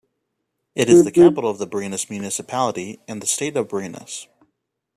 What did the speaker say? It is the capital of the Barinas Municipality and the State of Barinas.